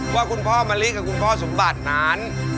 ว่าคุณพ่อมะลิกับคุณพ่อสมบัตินั้น